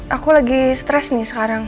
aku lagi stres nih sekarang